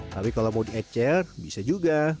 tapi kalau mau diecer bisa juga